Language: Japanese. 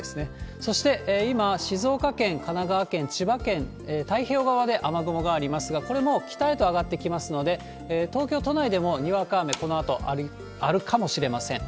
そして今、静岡、神奈川県、千葉県、太平洋側で雨雲がありますが、これも北へと上がってきますので、東京都内でもにわか雨、このあとあるかもしれません。